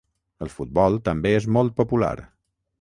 El futbol també és molt popular.